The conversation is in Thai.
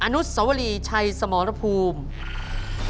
อนุสวรีชัยสมรภูมิ